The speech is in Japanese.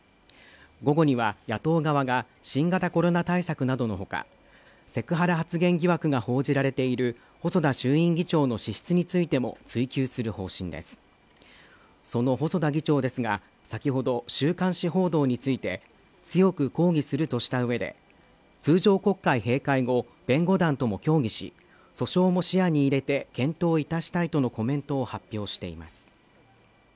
午後には野党側が新型コロナ対策などのほかセクハラ発言疑惑が報じられている細田衆院議長の資質についても追及する方針ですその細田議長ですが先ほど週刊誌報道について強く抗議するとしたうえで通常国会閉会後弁護団とも協議し訴訟も視野に入れて検討いたしたいとのコメントを発表しています